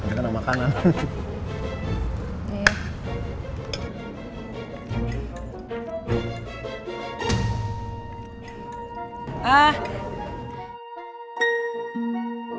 gak kenang makanan